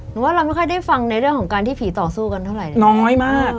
ว่าเราไม่ค่อยได้ฟังในเรื่องของการที่ผีต่อสู้กันเท่าไหร่น้อยมาก